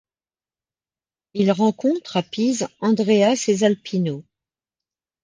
Il rencontre, à Pise, Andrea Cesalpino.